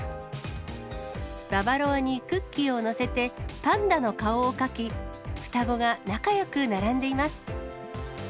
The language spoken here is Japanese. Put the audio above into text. ババロアにクッキーを載せて、パンダの顔を描き、双子が仲よく並んでいます。